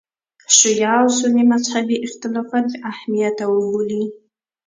شیعه او سني مذهبي اختلافات بې اهمیته وبولي.